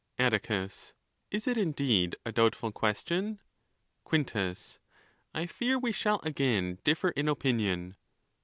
Atticus.—Is it indeed a doubtful question ? Quintus.—I fear we shall again differ in opinion.